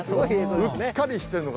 うっかりしてるのか。